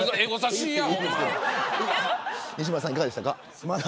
西村さん、いかがでしたか。